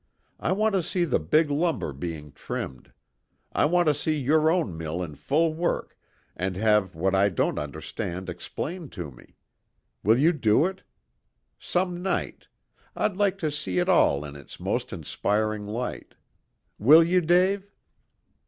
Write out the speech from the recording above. I want to see the big lumber being trimmed. I want to see your own mill in full work, and have what I don't understand explained to me. Will you do it? Some night. I'd like to see it all in its most inspiring light. Will you, Dave?"